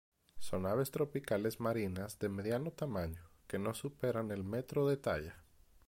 Son aves tropicales marinas de mediano tamaño que no superan el metro de talla.